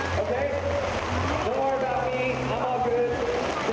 ขอบคุณค่ะที่พร้อมมาประกัน